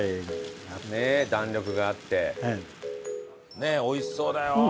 ねえおいしそうだよ。